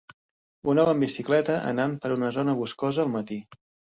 Un home amb bicicleta anant per una zona boscosa al matí.